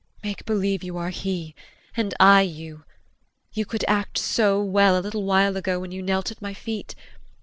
JULIE. Make believe you are he and I you. You could act so well a little while ago when you knelt at my feet.